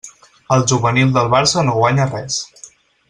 El juvenil del Barça no guanya res.